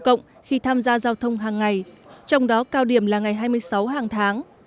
cộng khi tham gia giao thông hàng ngày trong đó cao điểm là ngày hai mươi sáu hàng tháng